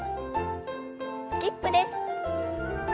スキップです。